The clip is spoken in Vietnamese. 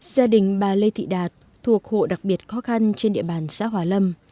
gia đình bà lê thị đạt thuộc hộ đặc biệt khó khăn trên địa bàn xã hòa lâm